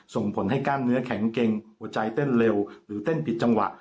ส่งผลให้กล้ามเนื้อแข็งเกรงหัวใจเต้นเร็วหรือเต้นผิดจังหวะ